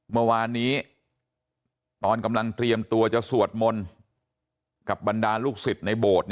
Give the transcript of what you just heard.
เมื่อวานนี้ตอนกำลังเตรียมตัวจะสวดมนต์กับบรรดาลูกศิษย์ในโบสถ์